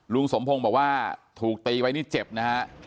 ลุงสมพงศ์บอกว่าถูกตีไว้นี่เจ็บนะฮะ